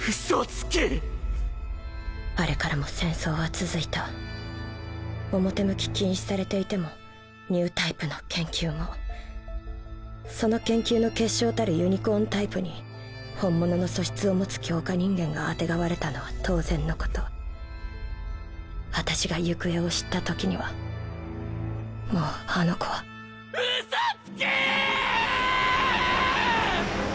あれからも戦争は続いた表向き禁止されていてもニュータイプその研究の結晶たるユニコーンタイプに本物の素質を持つ強化人間があてがわれたのは当然のこと私が行方を知ったときにはもうあの子は嘘つき！